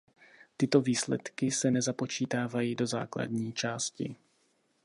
Tyto výsledky se nezapočítávají do základní části.